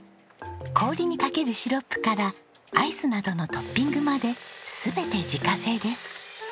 氷にかけるシロップからアイスなどのトッピングまで全て自家製です。